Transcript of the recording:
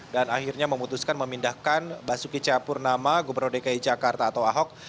dan akhirnya memutuskan memindahkan basuki ceyapurnama gubernur dki jakarta atau ahok